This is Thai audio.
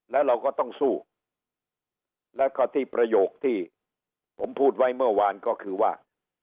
แล้วเราก็ต้องสู้แล้วก็ที่ประโยคที่ผมพูดไว้เมื่อวานก็คือว่า